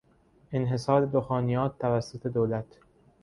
انحصار دخانیات توسط دولت